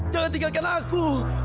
jangan tinggalkan aku